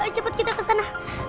cepat kita ke sana